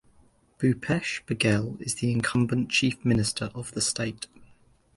Bhupesh Baghel is the incumbent Chief Minister of the state.